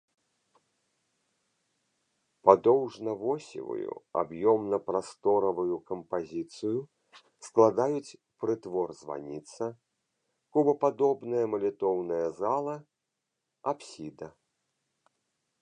Падоўжна-восевую аб'ёмна-прасторавую кампазіцыю складаюць прытвор-званіца, кубападобная малітоўная зала, апсіда.